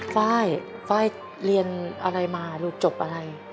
ฟ้ายฟ้ายเรียนอะไรมาหรือจบอะไร